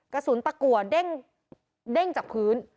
กระสุนตะกัวเด้งจากพื้น